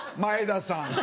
前田さん。